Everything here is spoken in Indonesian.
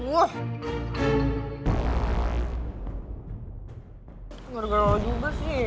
nggak ada gara gara juga sih